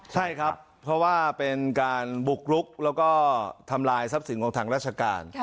ใช่ครับเพราะว่าเป็นการบุกรุกแล้วก็ทำลายทรัพย์สินของทางราชการ